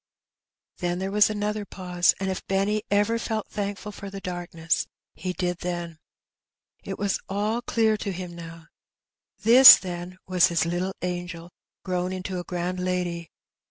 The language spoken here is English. Then there was another pause, and if Benny ever felt thankful for the darkness, he did then. It was all clear to him now. This, then, was his little angel, grown into a grand lady